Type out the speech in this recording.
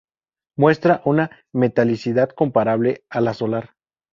Muestra una metalicidad comparable a la solar.